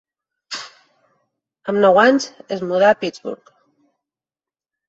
Amb nou anys es mudà a Pittsburgh.